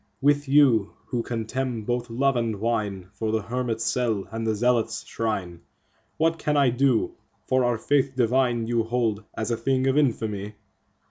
With you, who contemn both love and wine2 for the hermit's cell and the zealot's shrine, What can I do, for our Faith divine you hold as a thing of infamy?